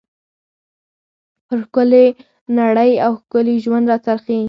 پر ښکلى نړۍ او ښکلي ژوند را څرخي.